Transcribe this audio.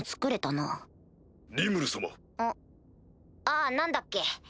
あぁ何だっけ？